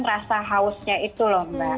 rasa hausnya itu loh mbak